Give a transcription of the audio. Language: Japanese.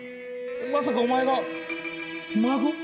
まさかお前が孫？